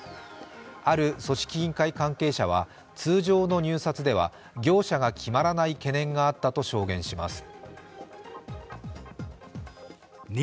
ある組織委員会関係者は通常の入札では業者が決まらない懸念があったと証言します。